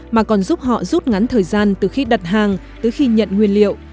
mà còn giúp họ rút ngắn thời gian từ khi đặt hàng tới khi nhận nguyên liệu